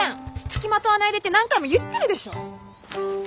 付きまとわないでって何回も言ってるでしょう！